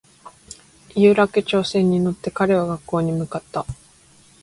有楽町線に乗って彼は学校に向かった